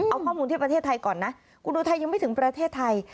เอาข้อมูลที่ประเทศไทยก่อนนะคุณอุทัยยังไม่ถึงประเทศไทย